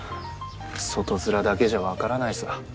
外づらだけじゃ分からないさ。